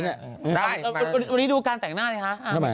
วันนี้ดูการแต่งหน้าเนี่ยฮะ